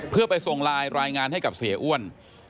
เพื่อไปส่งไลน์รายงานให้กับเสียอ้วน